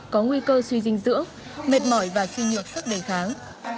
có nguy cơ suy dinh dưỡng mệt mỏi và suy nhược sức đề kháng